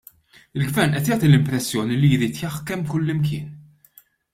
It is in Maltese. Il-Gvern qed jagħti l-impressjoni li jrid jaħkem kullimkien.